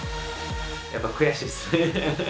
やっぱ悔しいですね。